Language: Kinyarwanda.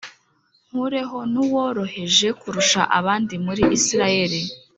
Nkureho n’uworoheje kurusha abandi muri Isirayeli